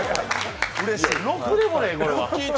ろくでもない、これは。